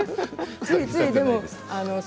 ついついでも。